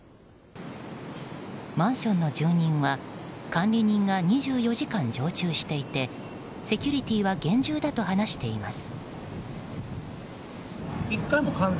マンションの住人は管理人が２４時間常駐していてセキュリティーは厳重だと話しています。